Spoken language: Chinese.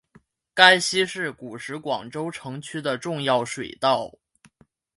甘溪是古时广州城区的重要水道。